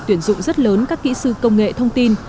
tuyển dụng rất lớn các kỹ sư công nghệ thông tin